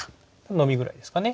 ノビぐらいですかね。